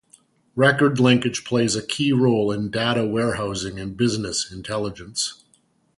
Record linkage plays a key role in data warehousing and business intelligence.